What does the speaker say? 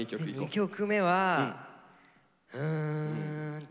２曲目はうんと。